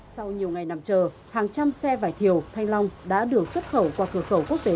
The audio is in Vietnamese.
sau nhiều ngày nằm chờ hàng trăm xe vải thiều thanh long đã được xuất khẩu qua cửa khẩu quốc tế